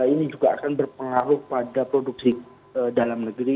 ini juga akan berpengaruh pada produksi dalam negeri